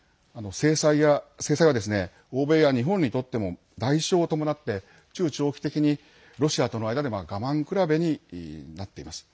制裁は、欧米や日本にとっても代償を伴って中長期的にロシアとの間で我慢比べになっています。